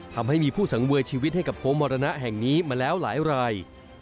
ทำให้มีผู้สังเวยชีวิตให้กับโค้งมรณะแห่งนี้มาแล้วหลายราย